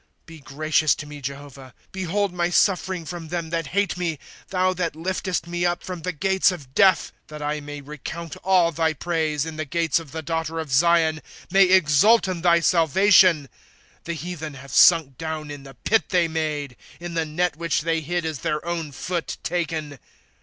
^^ Be gracious to me, Jehovah ; Behold my suffering from them that hate me, Thou that Hftest me up from the gates of death ;^* That I may recount all thy praise, In the gates of the daughter of Zion, — May exult in thy salvation. ^^ The heathen have sunk down in the pit they made ; In the net which they hid is their own foot taken.